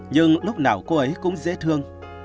nhưng cô ấy cũng dễ thương